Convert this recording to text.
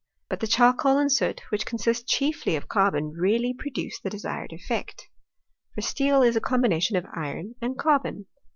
But the charcoal and soot, which consist chiefly of carbon, really produce the desired effect ; for steel is a combination of iron and carbon.